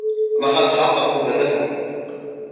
لَقَد حَقَقوا هَدَفَهُم.